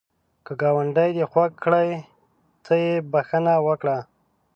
که ګاونډی دی خوږ کړي، ته یې بخښه وکړه